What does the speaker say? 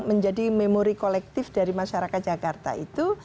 menjadi memori kolektif dari masyarakat jakarta itu